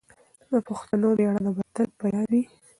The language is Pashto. د پښتنو مېړانه به تل په یاد وي.